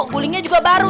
gulingnya juga baru